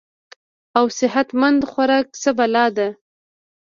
او صحت مند خوراک څۀ بلا ده -